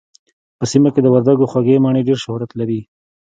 په سيمه کې د وردګو خوږې مڼې ډېر لوړ شهرت لري